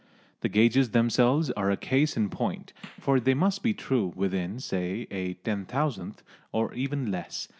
The gauges themselves are a case in point, for they must be true within, say, a ten thousandth, or even less.